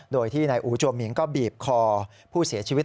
โดยที่นายอูจัวมิงก็บีบคอผู้เสียชีวิต